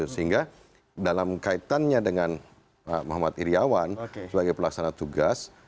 sehingga dalam kaitannya dengan pak muhammad iryawan sebagai pelaksana tugas